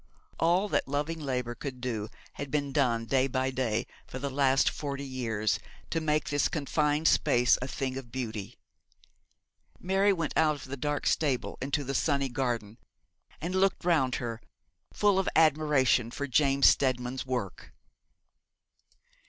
All that loving labour could do had been done day by day for the last forty years to make this confined space a thing of beauty. Mary went out of the dark stable into the sunny garden, and looked round her, full of admiration for James Steadman's work.